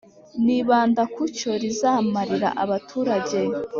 nibanda ku cyo rizamarira abaturage